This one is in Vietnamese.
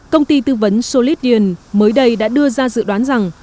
công ty tư vấn solidian mới đây đã đưa ra dự đoán rằng